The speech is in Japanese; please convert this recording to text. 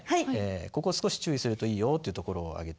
ここ少し注意するといいよっていうところを挙げてみますね。